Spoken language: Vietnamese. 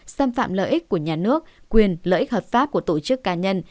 xâm phạm lợi ích của nhà nước quyền lợi ích hợp pháp của tổ chức cá nhân